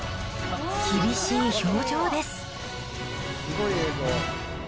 厳しい表情です。